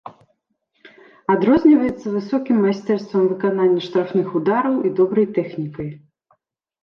Адрозніваецца высокім майстэрствам выканання штрафных удараў і добрай тэхнікай.